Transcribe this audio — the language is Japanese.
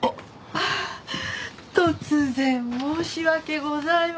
あっ突然申し訳ございません。